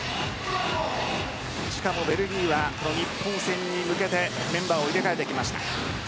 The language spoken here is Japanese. しかもベルギーは日本戦に向けてメンバーを入れ替えてきました。